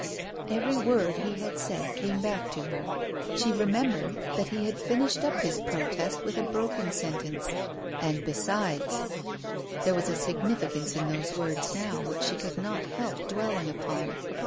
Every word he had said came back to her. She remembered that he had finished up his protest with a broken sentence. " And besides " There was a significance in those words now which she could not help dwelling upon.